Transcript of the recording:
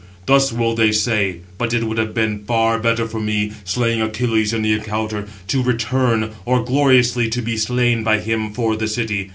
Thus will they say; but it would have been far better for me, slaying Achilles in the encounter, 703 to return, or gloriously to be slain by him for the city.